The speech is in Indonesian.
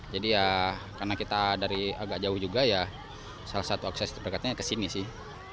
jadi ya karena kita dari agak jauh juga ya salah satu akses terdekatnya ke sini sih